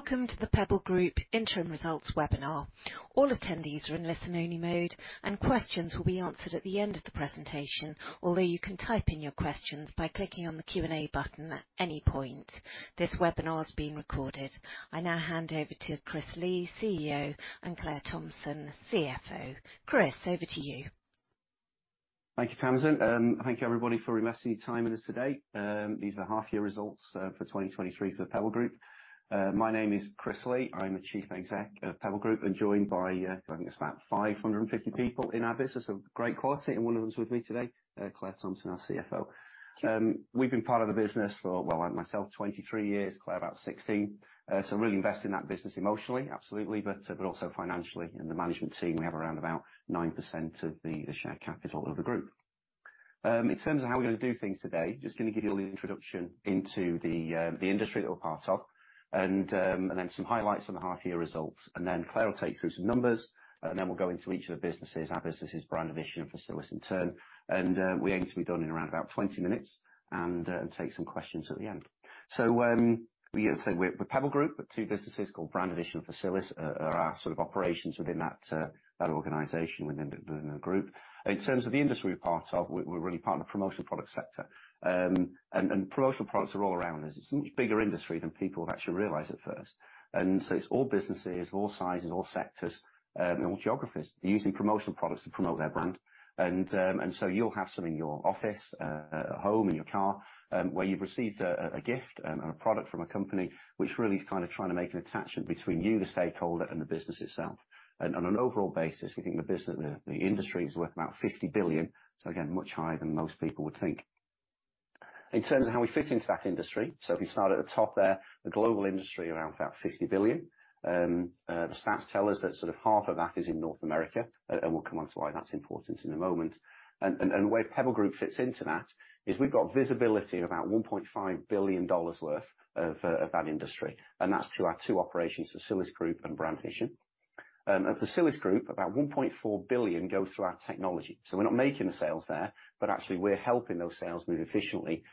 Welcome to The Pebble Group Interim Results webinar. All attendees are in listen-only mode, and questions will be answered at the end of the presentation, although you can type in your questions by clicking on the Q&A button at any point. This webinar is being recorded. I now hand over to Chris Lee, CEO, and Claire Thomson, CFO. Chris, over to you. Thank you, Tamzin, thank you, everybody, for investing your time with us today. These are the half year results for 2023 for The Pebble Group. My name is Chris Lee, I'm the Chief Exec of Pebble Group, and joined by, I think it's about 550 people in our business, so great quality, and one of them is with me today, Claire Thomson, our CFO. We've been part of the business for, well, myself, 23 years, Claire, about 16. So really invested in that business emotionally, absolutely, but also financially. In the management team, we have around about 9% of the share capital of the group. In terms of how we're gonna do things today, just gonna give you a little introduction into the, the industry that we're part of, and then some highlights on the half year results, and then Claire will take you through some numbers, and then we'll go into each of the businesses. Our businesses, Brand Addition and Facilis in turn, and we aim to be done in around about 20 minutes and take some questions at the end. So, we said we're Pebble Group, but two businesses called Brand Addition and Facilis are our sort of operations within that organization, within the group. In terms of the industry we're part of, we're really part of the promotional product sector, and promotional products are all around us. It's a much bigger industry than people would actually realize at first. And so it's all businesses, all sizes, all sectors, and all geographies. They're using promotional products to promote their brand. And so you'll have some in your office, at home, in your car, where you've received a gift and a product from a company, which really is kind of trying to make an attachment between you, the stakeholder, and the business itself. And on an overall basis, we think the business, the industry is worth about $50 billion, so again, much higher than most people would think. In terms of how we fit into that industry, so if you start at the top there, the global industry, around about $50 billion. The stats tell us that sort of half of that is in North America, and we'll come on to why that's important in a moment. And the way Pebble Group fits into that is we've got visibility of about $1.5 billion worth of that industry, and that's through our two operations, Facilisgroup and Brand Addition. At Facilisgroup, about $1.4 billion goes through our technology. So we're not making the sales there, but actually we're helping those sales move efficiently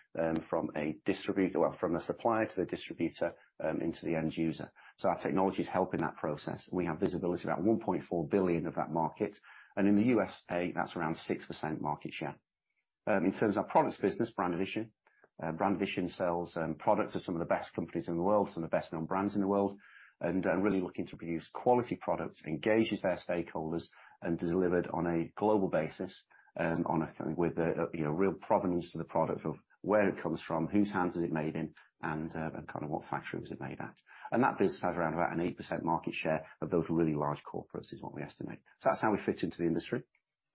from a distributor or from a supplier to the distributor into the end user. So our technology is helping that process. We have visibility of about $1.4 billion of that market, and in the USA, that's around 6% market share. In terms of our products business, Brand Addition. Brand Addition sells products to some of the best companies in the world, some of the best-known brands in the world, and really looking to produce quality products, engages their stakeholders, and delivered on a global basis, with a, you know, real provenance to the product, of where it comes from, whose hands is it made in, and and kind of what factory was it made at. And that business has around about an 8% market share of those really large corporates, is what we estimate. So that's how we fit into the industry.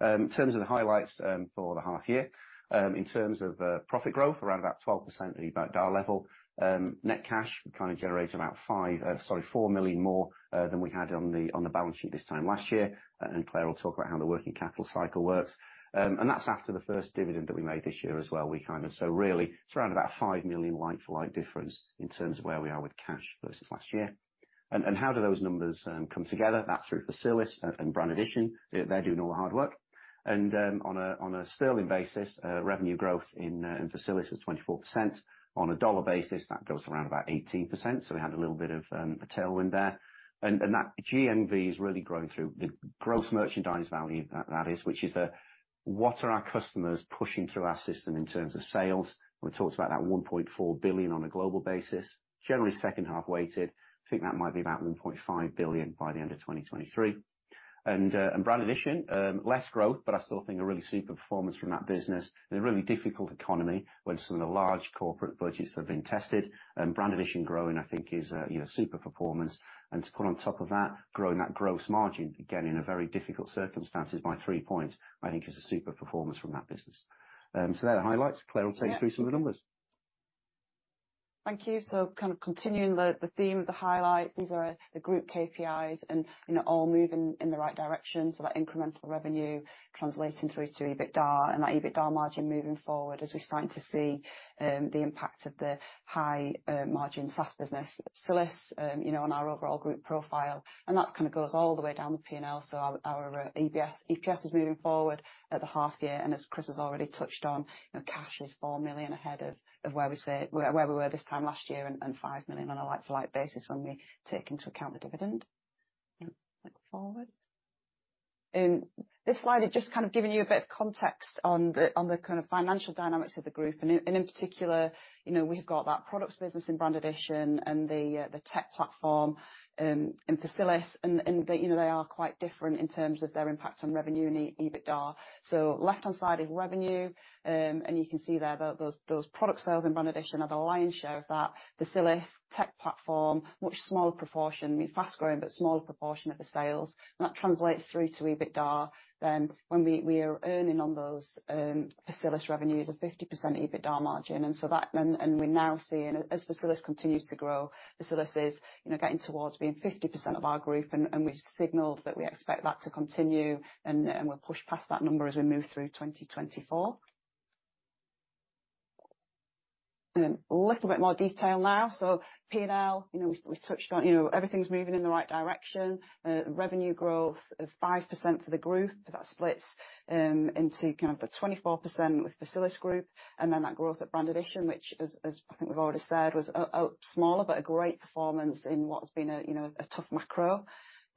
In terms of the highlights for the half year, in terms of profit growth, around about 12% at about EBITDA level. Net cash kind of generated about five, sorry, 4 million more than we had on the balance sheet this time last year, and Claire will talk about how the working capital cycle works. And that's after the first dividend that we made this year as well. So really, it's around about 5 million like-for-like difference in terms of where we are with cash versus last year. And how do those numbers come together? That's through Facilis and Brand Addition. They're doing all the hard work. And on a sterling basis, revenue growth in Facilis is 24%. On a dollar basis, that goes to around about 18%, so we had a little bit of a tailwind there. That GMV is really growing through the gross merchandise value, that is, which is what our customers are pushing through our system in terms of sales. We talked about that $1.4 billion on a global basis, generally second half weighted. I think that might be about $1.5 billion by the end of 2023. Brand Addition, less growth, but I still think a really super performance from that business. In a really difficult economy, when some of the large corporate budgets have been tested, Brand Addition growing, I think is a, you know, super performance. And to put on top of that, growing that gross margin, again, in a very difficult circumstances by three points, I think is a super performance from that business. So they're the highlights. Claire will take you through some of the numbers. Thank you. So kind of continuing the theme of the highlights, these are the group KPIs and, you know, all moving in the right direction. So that incremental revenue translating through to EBITDA and that EBITDA margin moving forward as we're starting to see the impact of the high margin SaaS business at Facilis, you know, on our overall group profile. And that kind of goes all the way down the P&L, so our EPS is moving forward at the half year, and as Chris has already touched on, you know, cash is 4 million ahead of where we were this time last year, and 5 million on a like-for-like basis when we take into account the dividend. And look forward. In this slide, it's just kind of giving you a bit of context on the, on the kind of financial dynamics of the group, and in, and in particular, you know, we've got that products business in Brand Addition and the the tech platform, in Facilis, and, and, you know, they are quite different in terms of their impact on revenue and EBITDA. So left-hand side is revenue, and you can see there that those those product sales in Brand Addition are the lion's share of that. Facilis tech platform, much smaller proportion, I mean, fast growing, but smaller proportion of the sales, and that translates through to EBITDA. Then, when we are earning on those Facilis revenues of 50% EBITDA margin, and so that and we're now seeing, as Facilis continues to grow, Facilis is, you know, getting towards being 50% of our group, and we've signaled that we expect that to continue and we'll push past that number as we move through 2024. A little bit more detail now. So P&L, you know, we touched on, you know, everything's moving in the right direction. Revenue growth of 5% for the group, but that splits into kind of the 24% with Facilisgroup and then that growth at Brand Addition, which as I think we've already said, was smaller, but a great performance in what has been a, you know, a tough macro.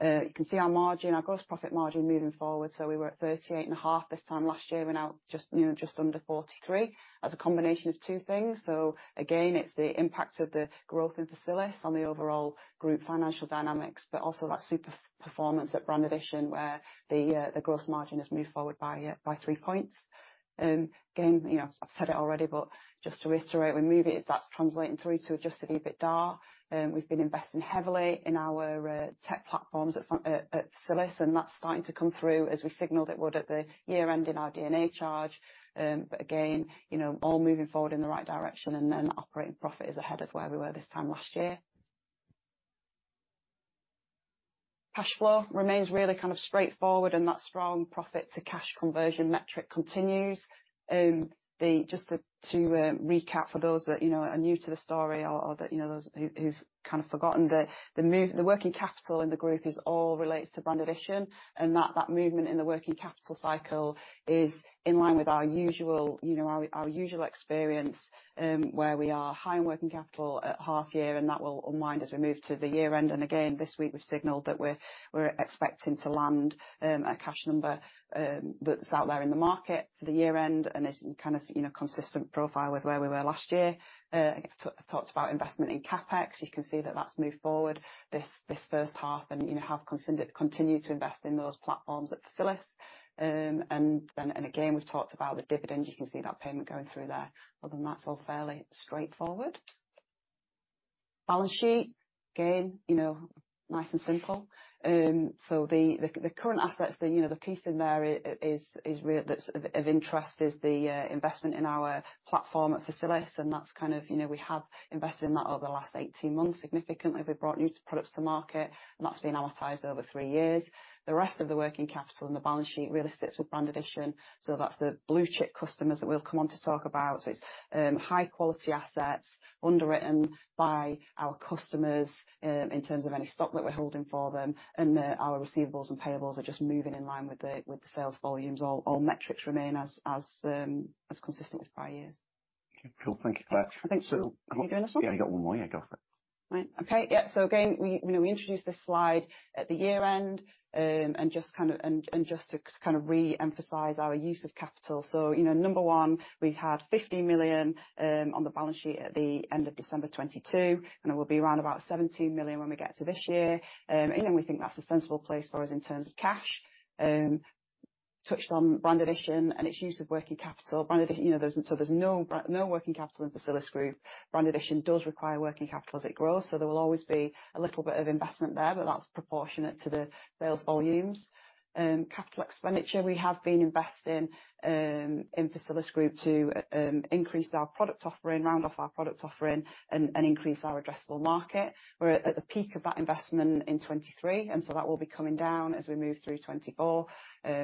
You can see our margin, our gross profit margin moving forward. We were at 38.5% this time last year, we're now just, you know, just under 43%. As a combination of two things, so again, it's the impact of the growth in Facilis on the overall group financial dynamics, but also that super performance at Brand Addition, where the gross margin has moved forward by three points. Again, you know, I've said it already, but just to reiterate, we move it, as that's translating through to Adjusted EBITDA. We've been investing heavily in our tech platforms at Facilis, and that's starting to come through as we signaled it would at the year end in our end-year charge. But again, you know, all moving forward in the right direction, and then operating profit is ahead of where we were this time last year. Cash flow remains really kind of straightforward, and that strong profit to cash conversion metric continues. Just to recap for those that, you know, are new to the story or those who, you know, who've kind of forgotten, the movement in the working capital in the group all relates to Brand Addition, and that movement in the working capital cycle is in line with our usual, you know, our usual experience, where we are high in working capital at half year, and that will unwind as we move to the year end. Again, this week, we've signaled that we're expecting to land a cash number that's out there in the market for the year end, and it's kind of, you know, consistent profile with where we were last year. I've talked about investment in CapEx. You can see that that's moved forward this first half, and, you know, have continued to invest in those platforms at Facilis. And then, again, we've talked about the dividend. You can see that payment going through there. Other than that, it's all fairly straightforward. Balance sheet, again, you know, nice and simple. So the current assets, you know, the piece in there that's of interest is the investment in our platform at Facilis, and that's kind of, you know, we have invested in that over the last 18 months significantly. We've brought new products to market, and that's been amortized over three years. The rest of the working capital in the balance sheet really sits with Brand Addition, so that's the blue chip customers that we'll come on to talk about. So it's high-quality assets underwritten by our customers in terms of any stock that we're holding for them, and our receivables and payables are just moving in line with the sales volumes. All metrics remain as consistent with prior years. Okay, cool. Thank you for that. I think so. Are you going this one? Yeah, you got one more. Yeah, go for it. Right. Okay, yeah, so again, we, you know, we introduced this slide at the year end, and just kind of and, and just to kind of reemphasize our use of capital. So, you know, number one, we had 50 million on the balance sheet at the end of December 2022, and it will be around about 17 million when we get to this year. And we think that's a sensible place for us in terms of cash. Touched on Brand Addition and its use of working capital. Brand Addition, you know, there's no working capital in Facilisgroup. Brand Addition does require working capital as it grows, so there will always be a little bit of investment there, but that's proportionate to the sales volumes. Capital expenditure, we have been investing in Facilisgroup to increase our product offering, round off our product offering, and increase our addressable market. We're at the peak of that investment in 2023, and so that will be coming down as we move through 2024,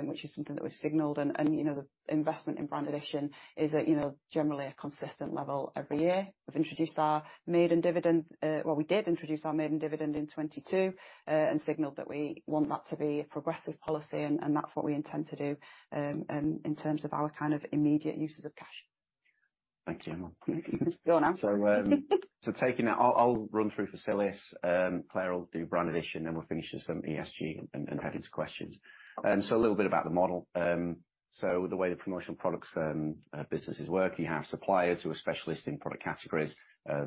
which is something that we've signaled. And, you know, the investment in Brand Addition is at, you know, generally a consistent level every year. We've introduced our maiden dividend. Well, we did introduce our maiden dividend in 2022, and signaled that we want that to be a progressive policy, and that's what we intend to do in terms of our kind of immediate uses of cash. Thank you, Claire. Go on now. So, taking that, I'll run through Facilis. Claire will do Brand Addition, then we'll finish with some ESG and head into questions. A little bit about the model. The way the promotional products businesses work, you have suppliers who are specialists in product categories,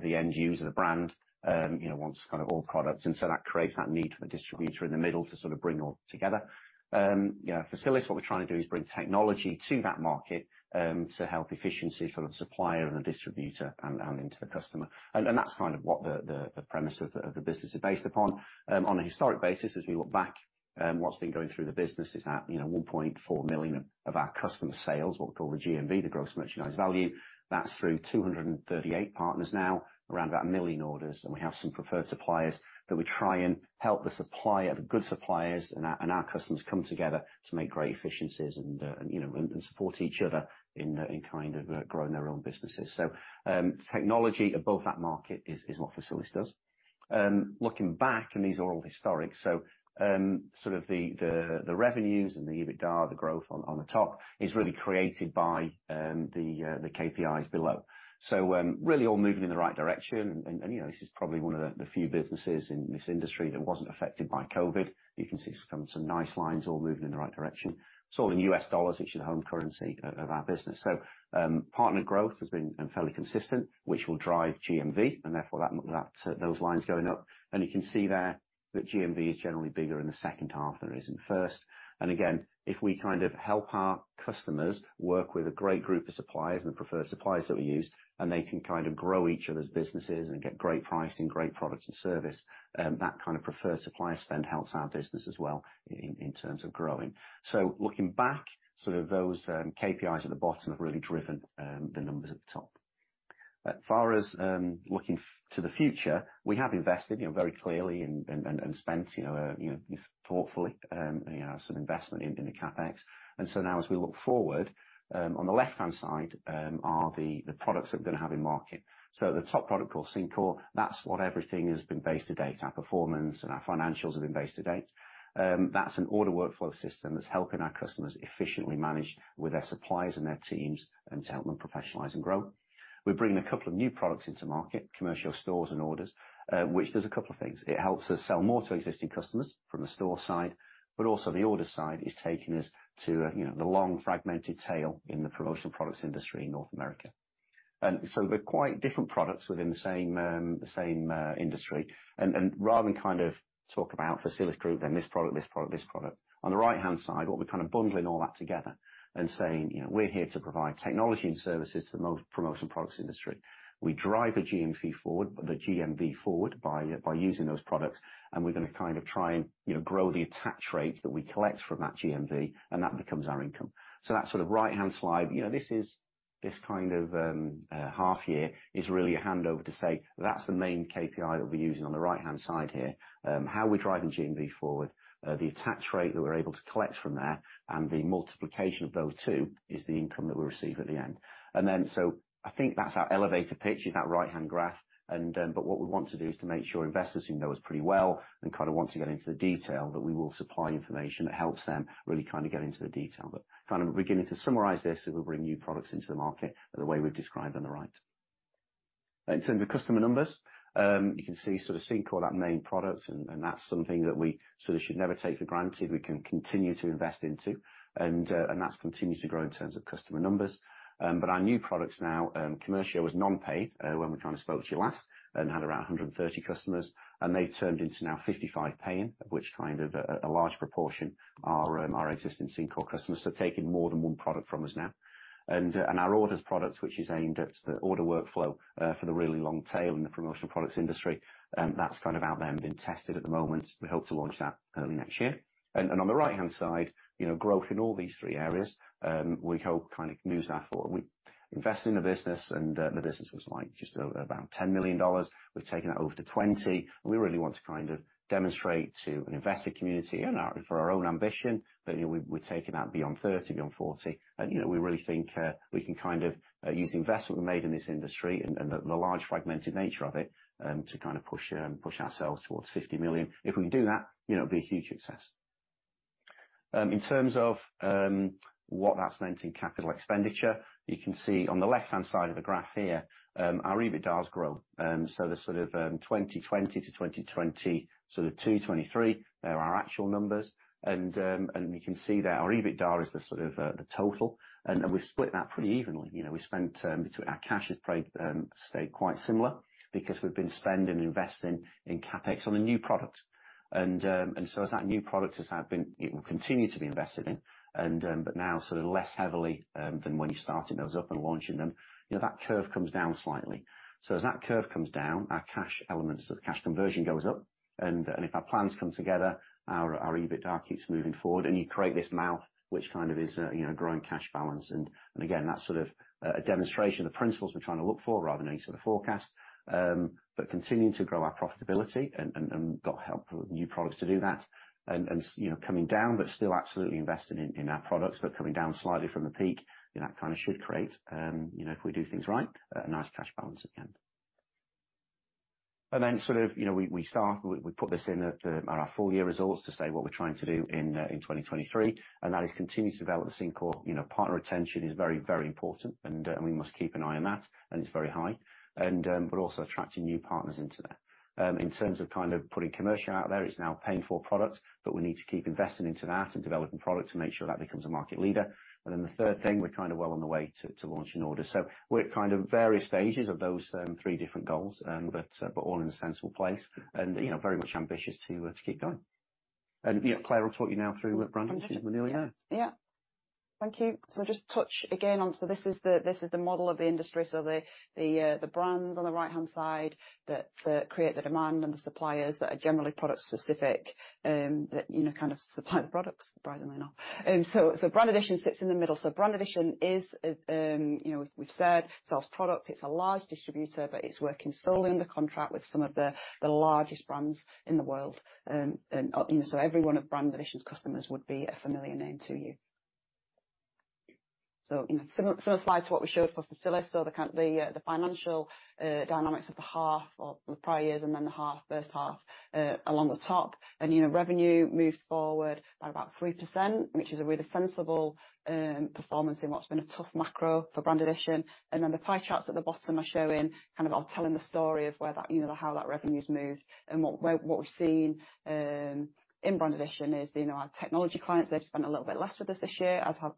the end user, the brand, you know, wants kind of all products, and so that creates that need for the distributor in the middle to sort of bring all together. You know, at Facilis, what we're trying to do is bring technology to that market, to help efficiency for the supplier and the distributor and into the customer. And that's kind of what the premise of the business is based upon. On a historic basis, as we look back, what's been going through the business is at, you know, $1.4 million of our customer sales, what we call the GMV, the gross merchandise value. That's through 238 partners now, around about 1 million orders, and we have some preferred suppliers that we try and help the supplier, the good suppliers, and our, and our customers come together to make great efficiencies and, and, you know, and support each other in, in kind of growing their own businesses. So, technology above that market is, is what Facilis does. Looking back, and these are all historic, so, sort of the, the, the revenues and the EBITDA, the growth on, on the top, is really created by, the, the KPIs below. So, really all moving in the right direction. And, you know, this is probably one of the few businesses in this industry that wasn't affected by COVID. You can see some nice lines all moving in the right direction. It's all in U.S. dollars, which is the home currency of our business. So, partner growth has been fairly consistent, which will drive GMV, and therefore, that those lines going up. And you can see there that GMV is generally bigger in the second half than it is in first. And again, if we kind of help our customers work with a great group of suppliers and preferred suppliers that we use, and they can kind of grow each other's businesses and get great pricing, great products and service, that kind of preferred supplier spend helps our business as well in terms of growing. So looking back, sort of those KPIs at the bottom have really driven the numbers at the top. As far as looking to the future, we have invested, you know, very clearly and, and, and spent, you know, you know, thoughtfully, you know, some investment in the CapEx. And so now as we look forward, on the left-hand side, are the products that we're gonna have in market. So the top product called Syncore, that's what everything has been based to date, our performance and our financials have been based to date. That's an order workflow system that's helping our customers efficiently manage with their suppliers and their teams and to help them professionalize and grow. We're bringing a couple of new products into market, Commercio Stores and Orders, which does a couple of things. It helps us sell more to existing customers from the store side, but also the order side is taking us to, you know, the long, fragmented tail in the promotional products industry in North America. And so they're quite different products within the same, the same, industry. And, and rather than kind of talk about Facilisgroup and this product, this product, this product, on the right-hand side, what we're kind of bundling all that together and saying, "You know, we're here to provide technology and services to the promotion products industry." We drive the GMV forward, the GMV forward by, by using those products, and we're gonna kind of try and, you know, grow the attach rate that we collect from that GMV, and that becomes our income. So that sort of right-hand slide, you know, this kind of half year is really a handover to say, that's the main KPI that we're using on the right-hand side here. How we're driving GMV forward, the attach rate that we're able to collect from there, and the multiplication of those two is the income that we receive at the end. And then, so I think that's our elevator pitch, is that right-hand graph, but what we want to do is to make sure investors who know us pretty well and kind of want to get into the detail, that we will supply information that helps them really kind of get into the detail. But kind of beginning to summarize this, we'll bring new products into the market the way we've described on the right. In terms of customer numbers, you can see sort of Syncore, our main product, and that's something that we sort of should never take for granted, we can continue to invest into, and that's continued to grow in terms of customer numbers. But our new products now, Commercio was non-paid, when we kind of spoke to you last, and had around 130 customers, and they've turned into now 55 paying, which kind of a large proportion are, our existing Syncore customers, they're taking more than one product from us now. Our Orders product, which is aimed at the order workflow, for the really long tail in the promotional products industry, that's kind of out there and being tested at the moment. We hope to launch that early next year. On the right-hand side, you know, growth in all these three areas, we hope kind of moves that forward. We invested in the business, and the business was like just about $10 million. We've taken that over to $20 million, and we really want to kind of demonstrate to an invested community and our, for our own ambition, that, you know, we, we're taking that beyond $30 million, beyond $40 million. And, you know, we really think we can kind of use the investment we made in this industry and the large, fragmented nature of it to kind of push ourselves towards $50 million. If we can do that, you know, it'll be a huge success. In terms of what that's meant in capital expenditure, you can see on the left-hand side of the graph here, our EBITDA has grown. So the sort of 2020 to 2022, so the 2023, they're our actual numbers. And we can see there, our EBITDA is the sort of the total, and then we've split that pretty evenly. You know, we spent our cash has probably stayed quite similar because we've been spending and investing in CapEx on the new products. And so as that new product it will continue to be invested in, and but now sort of less heavily than when you started those up and launching them, you know, that curve comes down slightly. So as that curve comes down, our cash elements, so the cash conversion goes up, and if our plans come together, our EBITDA keeps moving forward, and you create this mount, which kind of is a, you know, growing cash balance. And again, that's sort of a demonstration of the principles we're trying to look for rather than sort of forecast. But continuing to grow our profitability and get help with new products to do that. And you know, coming down, but still absolutely investing in our products, but coming down slightly from the peak, you know, that kind of should create, you know, if we do things right, a nice cash balance at the end. And then sort of, you know, we start, we put this in at our full year results to say what we're trying to do in 2023, and that is continue to develop the Syncore. You know, partner retention is very, very important, and we must keep an eye on that, and it's very high. But also attracting new partners into that. In terms of kind of putting Commercio out there, it's now a paying product, but we need to keep investing into that and developing product to make sure that becomes a market leader. And then the third thing, we're kind of well on the way to launch an order. So we're at kind of various stages of those three different goals, but all in a sensible place and, you know, very much ambitious to keep going. And, you know, Claire will talk to you now through Brand Addition. Now, yeah. Yeah. Thank you. So just touch again on, so this is the model of the industry. So the brands on the right-hand side that create the demand, and the suppliers that are generally product specific, you know, kind of supply the products, surprisingly enough. So Brand Addition sits in the middle. So Brand Addition is, you know, we've said, sells product. It's a large distributor, but it's working solely under contract with some of the largest brands in the world. And you know, so every one of Brand Addition's customers would be a familiar name to you. So you know, similar slide to what we showed for Facilis. So the current... The financial dynamics of the half or the prior years, and then the half, first half, along the top. You know, revenue moved forward by about 3%, which is a really sensible performance in what's been a tough macro for Brand Addition. And then the pie charts at the bottom are showing, kind of are telling the story of where that, you know, how that revenue's moved. And what we've seen in Brand Addition is, you know, our technology clients, they've spent a little bit less with us this year, as have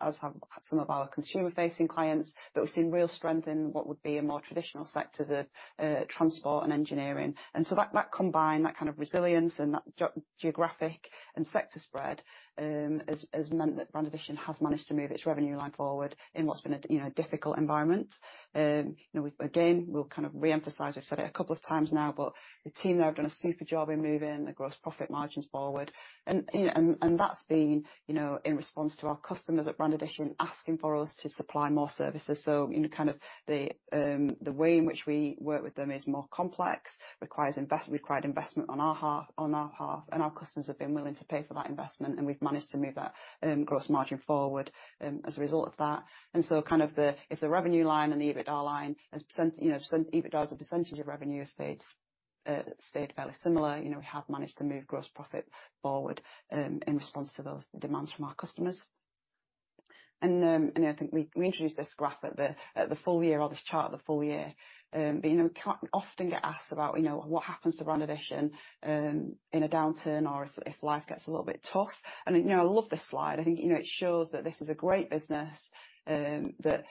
some of our consumer-facing clients. But we've seen real strength in what would be a more traditional sectors of transport and engineering. And so that, that combined, that kind of resilience and that geographic and sector spread has meant that Brand Addition has managed to move its revenue line forward in what's been a, you know, difficult environment. You know, we again will kind of reemphasize. I've said it a couple of times now, but the team there have done a super job in moving the gross profit margins forward. You know, that's been in response to our customers at Brand Addition asking for us to supply more services. So in kind of the way in which we work with them is more complex, requires required investment on our part, and our customers have been willing to pay for that investment, and we've managed to move that gross margin forward as a result of that. And so kind of the, if the revenue line and the EBITDA line, as percent, you know, percent—EBITDA as a percentage of revenue has stayed, stayed fairly similar, you know, we have managed to move gross profit forward, in response to those demands from our customers. And, and I think we introduced this graph at the full year, or this chart at the full year. But you know, we often get asked about, you know, what happens to Brand Addition, in a downturn or if life gets a little bit tough? And, you know, I love this slide. I think, you know, it shows that this is a great business, that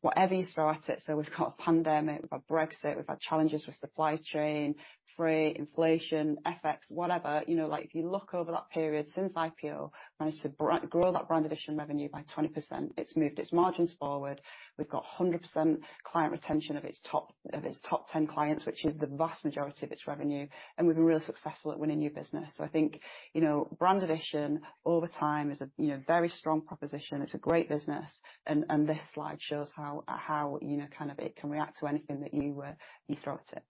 whatever you throw at it, so we've got a pandemic, we've got Brexit, we've had challenges with supply chain, freight, inflation, FX, whatever. You know, like, if you look over that period since IPO, managed to grow that Brand Addition revenue by 20%. It's moved its margins forward. We've got 100% client retention of its top, of its top 10 clients, which is the vast majority of its revenue, and we've been really successful at winning new business. So I think, you know, Brand Addition, over time, is a, you know, very strong proposition. It's a great business, and, and this slide shows how, how, you know, kind of it can react to anything that you throw at it.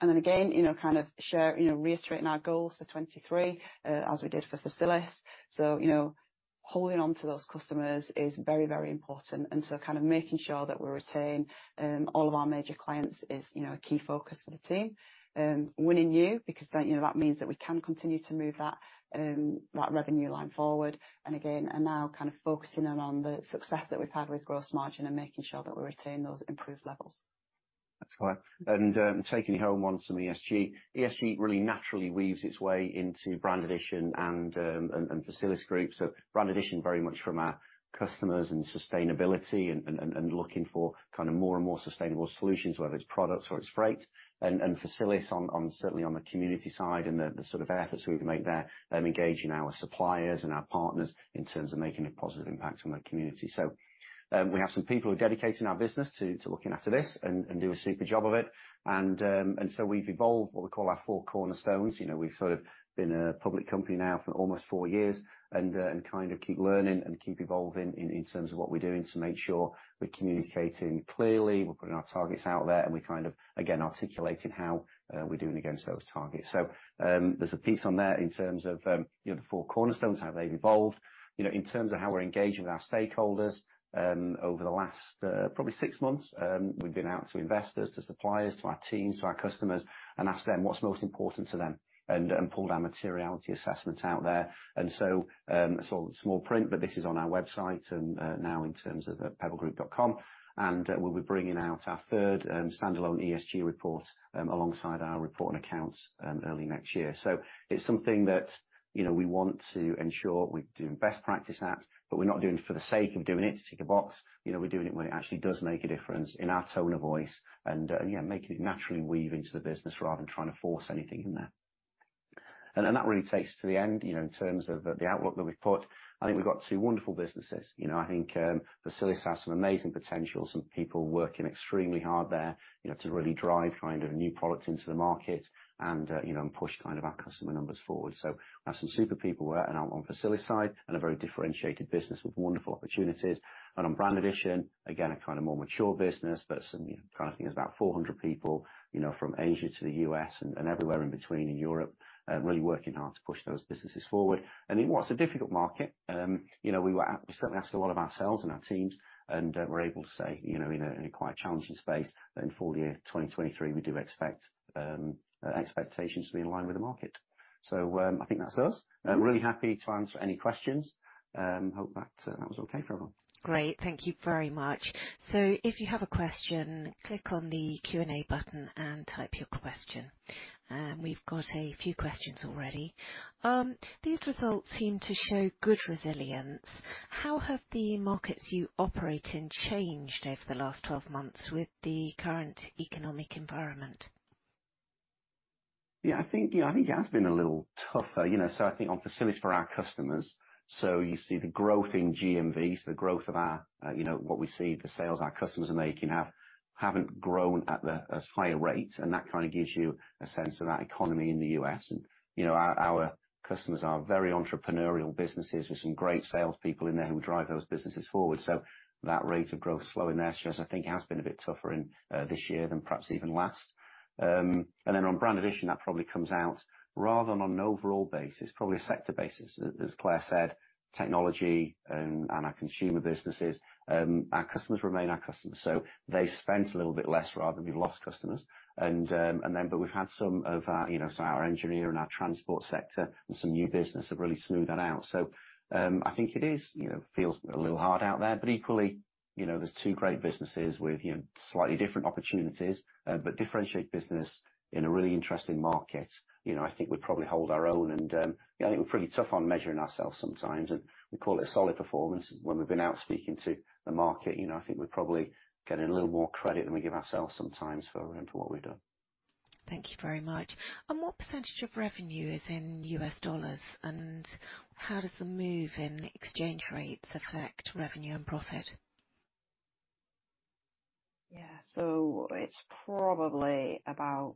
And then again, you know, kind of share, you know, reiterating our goals for 2023, as we did for Facilis. So, you know, holding on to those customers is very, very important, and so kind of making sure that we retain all of our major clients is, you know, a key focus for the team. Winning new, because then, you know, that means that we can continue to move that that revenue line forward and again, are now kind of focusing in on the success that we've had with gross margin and making sure that we're retaining those improved levels. That's right. And taking home on some ESG. ESG really naturally weaves its way into Brand Addition and Facilisgroup. So Brand Addition, very much from our customers and sustainability and looking for kind of more and more sustainable solutions, whether it's products or it's freight. And Facilis on certainly on the community side and the sort of efforts we can make there, engaging our suppliers and our partners in terms of making a positive impact on the community. So we have some people who are dedicated in our business to looking after this and do a super job of it. And so we've evolved what we call our four cornerstones. You know, we've sort of been a public company now for almost four years and kind of keep learning and keep evolving in terms of what we're doing to make sure we're communicating clearly, we're putting our targets out there, and we're kind of, again, articulating how we're doing against those targets. So, there's a piece on there in terms of you know, the four cornerstones, how they've evolved. You know, in terms of how we're engaging with our stakeholders over the last probably six months, we've been out to investors, to suppliers, to our teams, to our customers, and asked them what's most important to them, and pulled our materiality assessment out there. And so, small print, but this is on our website, and now in terms of pebblegroup.com, and we'll be bringing out our third standalone ESG report alongside our report and accounts early next year. So it's something that, you know, we want to ensure we're doing best practice at, but we're not doing it for the sake of doing it, to tick a box. You know, we're doing it when it actually does make a difference in our tone of voice and yeah, making it naturally weave into the business rather than trying to force anything in there. And that really takes us to the end, you know, in terms of the outlook that we've put. I think we've got two wonderful businesses. You know, I think, Facilis has some amazing potential, some people working extremely hard there, you know, to really drive kind of new products into the market and, you know, and push kind of our customer numbers forward. So we have some super people there and on Facilis side, and a very differentiated business with wonderful opportunities. And on Brand Addition, again, a kind of more mature business, but some, you know, I think there's about 400 people, you know, from Asia to the U.S. and, and everywhere in between, in Europe, really working hard to push those businesses forward. And in what's a difficult market, you know, we certainly asked a lot of ourselves and our teams, and we're able to say, you know, in a quite challenging space, that in full year 2023, we do expect expectations to be in line with the market. So, I think that's us. Really happy to answer any questions. Hope that that was okay for everyone. Great. Thank you very much. So if you have a question, click on the Q&A button and type your question. We've got a few questions already. These results seem to show good resilience. How have the markets you operate in changed over the last 12 months with the current economic environment? Yeah, I think, you know, I think it has been a little tougher, you know, so I think on Facilis for our customers, so you see the growth in GMV, so the growth of our, you know, what we see the sales our customers are making have, haven't grown at the, as high a rate, and that kind of gives you a sense of that economy in the U.S. And, you know, our customers are very entrepreneurial businesses with some great salespeople in there who drive those businesses forward. So that rate of growth slowing there, I think, has been a bit tougher in this year than perhaps even last. And then on Brand Addition, that probably comes out rather than on an overall basis, probably a sector basis. As Claire said, technology and our consumer businesses, our customers remain our customers. So they spent a little bit less rather than we lost customers. But we've had some of our, you know, so our engineering and our transport sector and some new business have really smoothed that out. So, I think it is, you know, feels a little hard out there, but equally, you know, there's two great businesses with, you know, slightly different opportunities, but differentiated business in a really interesting market. You know, I think we probably hold our own and, yeah, I think we're pretty tough on measuring ourselves sometimes, and we call it a solid performance. When we've been out speaking to the market, you know, I think we're probably getting a little more credit than we give ourselves sometimes for what we've done. Thank you very much. What percentage of revenue is in U.S. dollars, and how does the move in exchange rates affect revenue and profit? Yeah, so it's probably about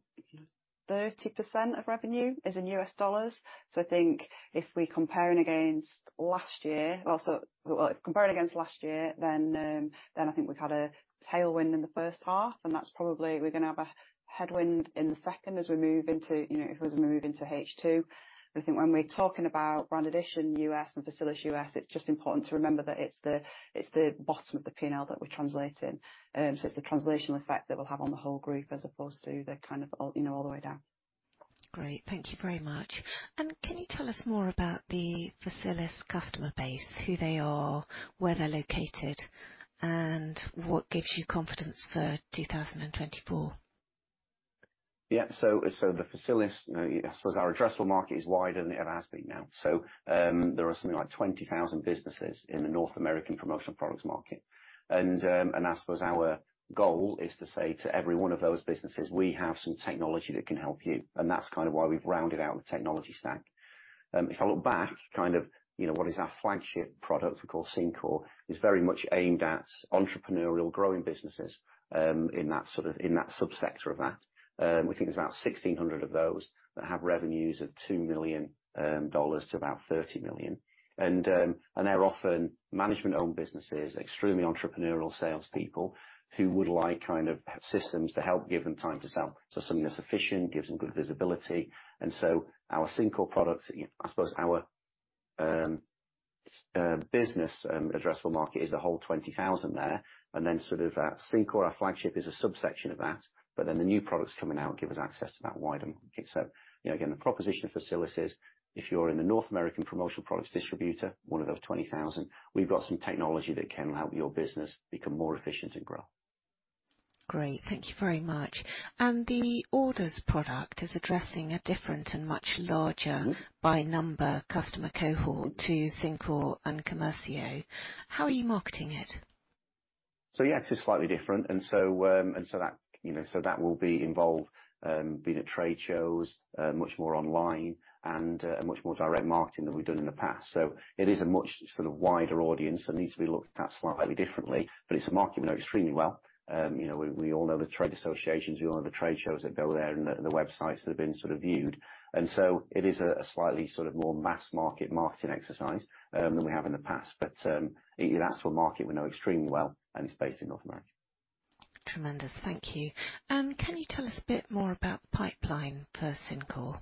30% of revenue is in U.S. dollars. So I think if we're comparing against last year, well, comparing against last year, then I think we've had a tailwind in the first half, and that's probably we're going to have a headwind in the second as we move into, you know, as we move into H2. I think when we're talking about Brand Addition U.S. and Facilis U.S., it's just important to remember that it's the bottom of the P&L that we're translating. So it's the translational effect that we'll have on the whole group, as opposed to the kind of, you know, all the way down. Great. Thank you very much. Can you tell us more about the Facilis customer base, who they are, where they're located, and what gives you confidence for 2024? Yeah. So, the Facilis, you know, I suppose our addressable market is wider than it has been now. So, there are something like 20,000 businesses in the North American promotional products market. And, and I suppose our goal is to say to every one of those businesses: "We have some technology that can help you," and that's kind of why we've rounded out the technology stack. If I look back, kind of, you know, what is our flagship product, we call Syncore, is very much aimed at entrepreneurial growing businesses, in that sort of, in that subsector of that. We think there's about 1,600 of those that have revenues of $2 million-$30 million. And, and they're often management-owned businesses, extremely entrepreneurial salespeople, who would like kind of systems to help give them time to sell. So something that's efficient, gives them good visibility. And so our Syncore product, I suppose our business addressable market is the whole 20,000 there, and then sort of Syncore, our flagship, is a subsection of that, but then the new products coming out give us access to that wider market. So, you know, again, the proposition of Facilis is, if you're in the North American promotional products distributor, one of those 20,000, we've got some technology that can help your business become more efficient and grow. Great. Thank you very much. And the orders product is addressing a different and much larger by number customer cohort to Syncore and Commercio. How are you marketing it? So, yeah, it's slightly different, and so, and so that, you know, so that will be involved, being at trade shows, much more online and, and much more direct marketing than we've done in the past. So it is a much sort of wider audience and needs to be looked at slightly differently, but it's a market we know extremely well. You know, we all know the trade associations, we all know the trade shows that go there and the websites that have been sort of viewed. And so it is a slightly sort of more mass-market marketing exercise than we have in the past. But, yeah, that's a market we know extremely well, and it's based in North America. Tremendous. Thank you. Can you tell us a bit more about the pipeline for Syncore?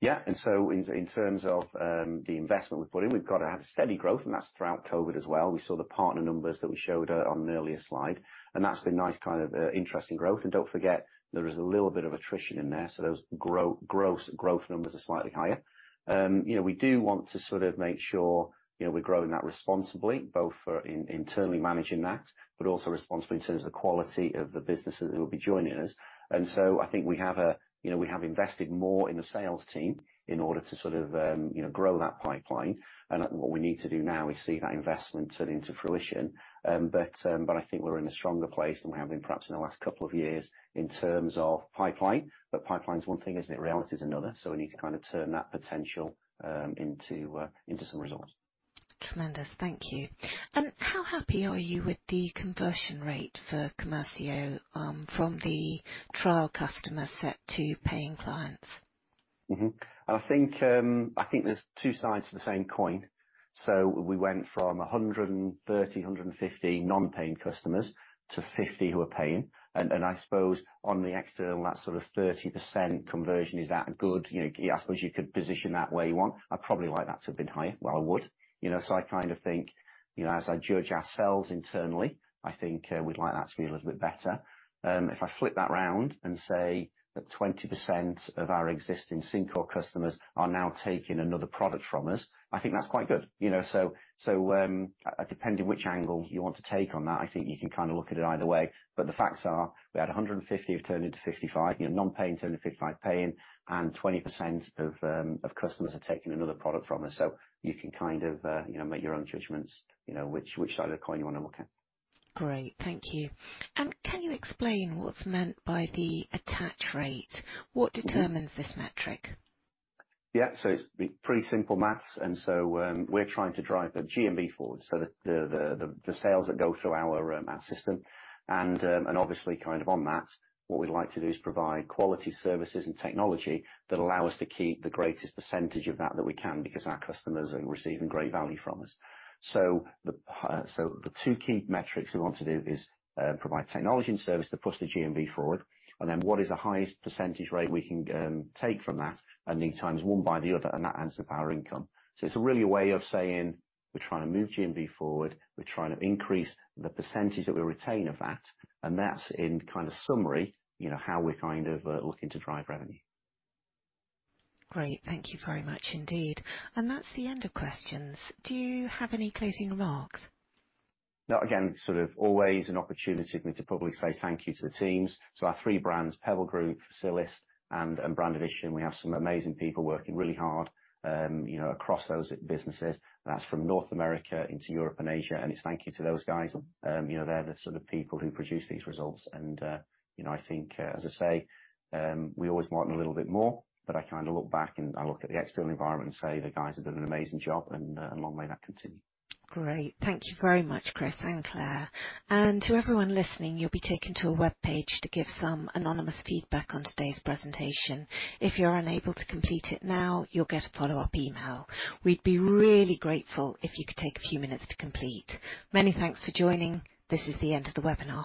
Yeah. And so in terms of the investment we've put in, we've got a steady growth, and that's throughout COVID as well. We saw the partner numbers that we showed on an earlier slide, and that's been nice, kind of interesting growth. And don't forget, there is a little bit of attrition in there, so those gross growth numbers are slightly higher. You know, we do want to sort of make sure, you know, we're growing that responsibly, both for internally managing that, but also responsibly in terms of the quality of the businesses that will be joining us. And so I think, you know, we have invested more in the sales team in order to sort of, you know, grow that pipeline. And what we need to do now is see that investment turn into fruition. But I think we're in a stronger place than we have been perhaps in the last couple of years in terms of pipeline. But pipeline is one thing, isn't it? Reality is another. So we need to kind of turn that potential into some results. Tremendous. Thank you. And how happy are you with the conversion rate for Commercio, from the trial customer set to paying clients? Mm-hmm. I think, I think there's two sides to the same coin. So we went from 130, 150 non-paying customers to 50 who are paying. And I suppose on the external, that sort of 30% conversion, is that good? You know, I suppose you could position that where you want. I'd probably like that to have been higher. Well, I would. You know, so I kind of think, you know, as I judge ourselves internally, I think, we'd like that to be a little bit better. If I flip that round and say that 20% of our existing Syncore customers are now taking another product from us, I think that's quite good. You know, so, so, depending on which angle you want to take on that, I think you can kind of look at it either way. But the facts are we had 150 who turned into 55, you know, non-paying turned into 55 paying, and 20% of customers are taking another product from us. So you can kind of, you know, make your own judgments, you know, which side of the coin you want to look at. Great, thank you. And can you explain what's meant by the attach rate? Mm-hmm. What determines this metric? Yeah, so it's pretty simple math, and so, we're trying to drive the GMV forward, so the sales that go through our system. And obviously, kind of on that, what we'd like to do is provide quality services and technology that allow us to keep the greatest percentage of that that we can, because our customers are receiving great value from us. So the two key metrics we want to do is provide technology and service that push the GMV forward, and then what is the highest percentage rate we can take from that? And then times one by the other, and that adds up our income. So it's really a way of saying, we're trying to move GMV forward, we're trying to increase the percentage that we retain of that, and that's in kind of summary, you know, how we're kind of looking to drive revenue. Great. Thank you very much indeed. That's the end of questions. Do you have any closing remarks? No, again, sort of always an opportunity for me to probably say thank you to the teams. So our three brands, Pebble Group, Facilis, and Brand Addition, we have some amazing people working really hard, you know, across those businesses. And that's from North America into Europe and Asia, and it's thank you to those guys. You know, they're the sort of people who produce these results. And, you know, I think, as I say, we always want a little bit more, but I kind of look back, and I look at the external environment and say, "The guys have done an amazing job, and, long may that continue. Great. Thank you very much, Chris and Claire. To everyone listening, you'll be taken to a webpage to give some anonymous feedback on today's presentation. If you're unable to complete it now, you'll get a follow-up email. We'd be really grateful if you could take a few minutes to complete. Many thanks for joining. This is the end of the webinar.